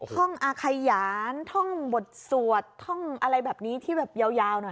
ท่องอาขยานท่องบทสวดท่องอะไรแบบนี้ที่แบบยาวหน่อย